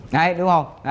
đấy đúng không